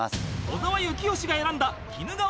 小澤征悦が選んだ鬼怒川